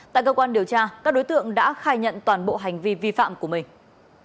tại cơ quan điều tra các đối tượng đã khai nhận toàn bộ hành vi vi phạm của mình